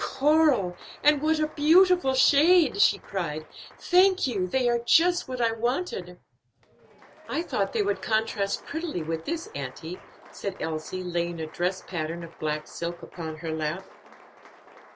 "Coral! and what a beautiful shade!" she cried. "Thank you; they are just what I wanted." "I thought they would contrast prettily with this, auntie," said Elsie, laying a dress pattern of black silk upon her lap.